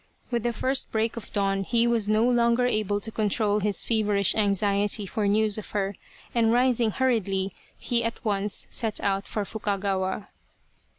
With the first break of dawn he was no longer able to control his feverish anxiety for news of her, and rising hurriedly, he at once set out for Fukagawa.